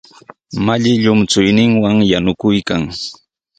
Malli llumchuyninwan yanukuykan.